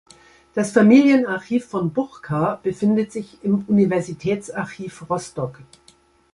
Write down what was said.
Das Familienarchiv von Buchka befindet sich im Universitätsarchiv Rostock.